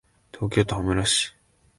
東京都羽村市